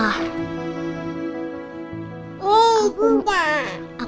aku mau liat mama pa